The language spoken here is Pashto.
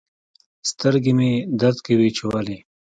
سترګي مي درد کوي چي ولي